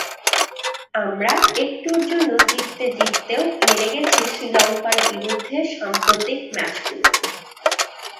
আমরা একটুর জন্য জিততে জিততেও হেরে গেছি শ্রীলঙ্কার বিরুদ্ধে সাম্প্রতিক ম্যাচগুলো।